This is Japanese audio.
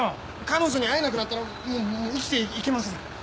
彼女に会えなくなったらもう生きていけません！